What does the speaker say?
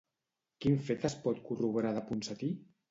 Quin fet es pot corroborar de Ponsatí?